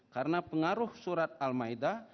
karena pengaruh surat al maida